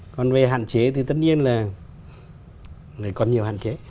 còn về hạn chế thì tất nhiên là còn nhiều hạn chế